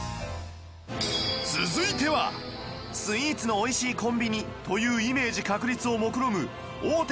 続いてはスイーツのおいしいコンビニというイメージ確立をもくろむ大手